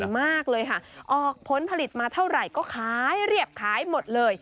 มากเลยค่ะออกผลผลิตมาเท่าไหร่ก็ขายเรียบขายหมดเลย